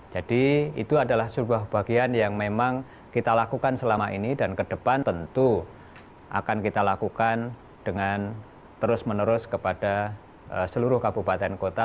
jadi itu adalah sebuah bagian yang memang kita lakukan selama ini dan ke depan tentu akan kita lakukan dengan terus menerus kepada seluruh kabupaten kota